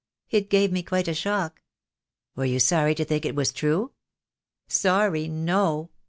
It gave me quite a shock." "Were you sorry to think it was true?" "Sorry — no!